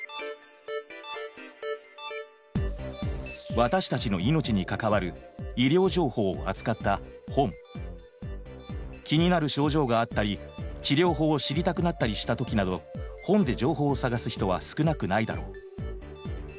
私たちの命に関わる気になる症状があったり治療法を知りたくなったりしたときなど本で情報を探す人は少なくないだろう。